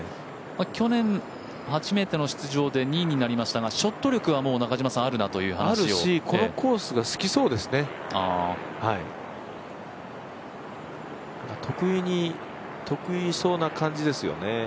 去年初めての出場で２位になりましたがショット力があるし、このコースが好きそうでしたね。